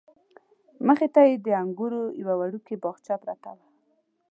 مخې ته یې د انګورو یوه وړوکې باغچه پرته وه.